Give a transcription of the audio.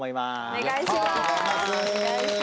お願いします。